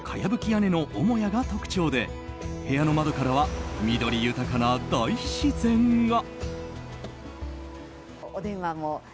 屋根の母屋が特徴で部屋の窓からは緑豊かな大自然が。